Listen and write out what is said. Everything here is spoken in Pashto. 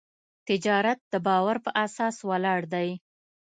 تجارت د باور په اساس ولاړ دی.